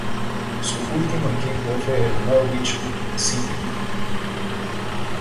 Su último equipo fue el Norwich City.